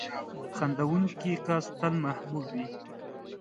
• خندېدونکی کس تل محبوب وي.